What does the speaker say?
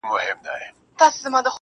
ستا هغه ګوته طلایي چیري ده.